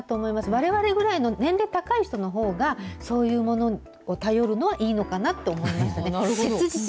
われわれぐらいの年齢高い人のほうが、そういうものを頼るのはいいのかなと思いましたね。